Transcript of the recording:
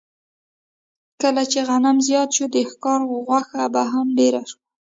کله چې غنم زیات شو، د ښکار غوښه هم ډېره شوه.